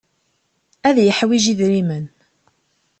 Ad yeḥwij idrimen.